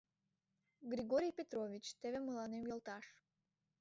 — Григорий Петрович, теве мыланем йолташ!